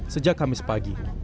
sejak kamis pagi